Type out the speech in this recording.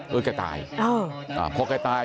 เออแกตาย